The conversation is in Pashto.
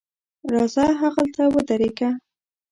راځه هغلته ودرېږه.